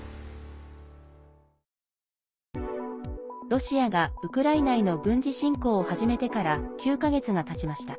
ロシアがウクライナへの軍事侵攻を始めてから９か月がたちました。